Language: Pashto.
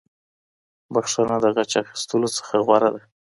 بښنه د غچ اخيستلو نه غوره ده.